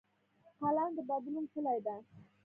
قلم د بدلون کلۍ ده